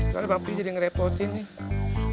soalnya bang pi jadi ngerepotin nih